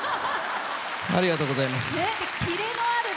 ありがとうございます。